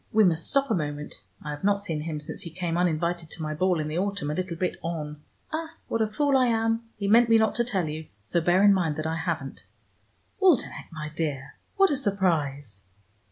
We must stop a moment: I have not seen him since he came uninvited to my ball in the autumn, a little bit on. Ah, what a fool I am: he meant me not to tell you, so bear in mind that I haven't. Waldenech, my dear, what a surprise!"